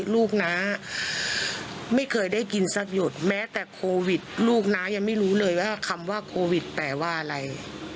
น้าไม่เคยได้กินสักหยดแม้แต่โควิดลูกน้ายังไม่รู้เลยว่าคำว่าโควิดแปลว่าอะไร